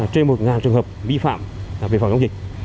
trên một trường hợp vi phạm về phòng chống dịch